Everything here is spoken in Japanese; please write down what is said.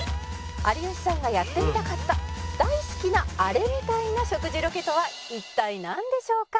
「有吉さんがやってみたかった大好きなあれみたいな食事ロケとは一体なんでしょうか？」